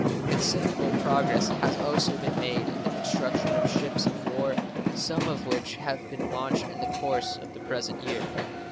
Considerable progress has also been made in the construction of ships of war, some of which have been launched in the course of the present year.